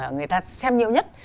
người ta xem nhiều nhất